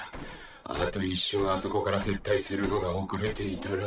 あと一瞬あそこから撤退するのが遅れていたら。